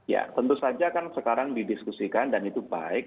ya tentu saja kan sekarang didiskusikan dan itu baik